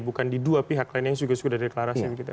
bukan di dua pihak lainnya yang sudah sudah di deklarasi